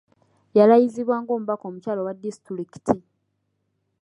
Yalayizibwa ng'omubaka omukyala owa disitulikiti.